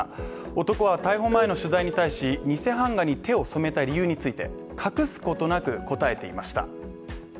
男は逮捕前の取材に対し、偽版画に手を染めた理由について、隠すことなく答えていました。